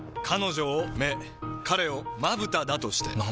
彼女を目彼をまぶただとして。